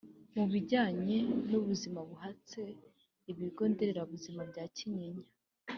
Mu bijyanye n’ubuzima hubatswe ibigo nderabuzima bya Kanyinya